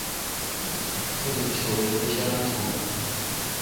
توٹھ چول پیشان تو۔